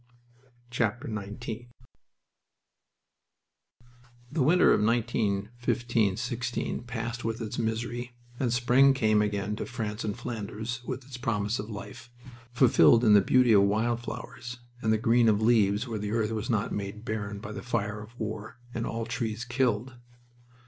XIX The winter of 1915 16 passed with its misery, and spring came again to France and Flanders with its promise of life, fulfilled in the beauty of wild flowers and the green of leaves where the earth was not made barren by the fire of war and all trees killed.